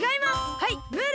はいムール！